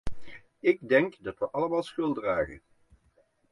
Ik denk dat we allemaal schuld dragen.